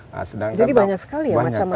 jadi banyak sekali ya macam macamnya